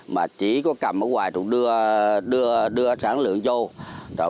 mà chỉ có cầm ở ngoài cũng đưa sản lượng vô